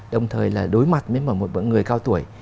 đồng thời là đối mặt với một người cao tuổi